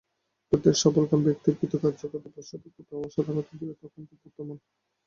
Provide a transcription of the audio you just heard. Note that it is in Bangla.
প্রত্যেক সফলকাম ব্যক্তিরই কৃতকার্যতার পশ্চাতে কোথাও অসাধারণ দৃঢ়তা ও ঐকান্তিকতা বর্তমান।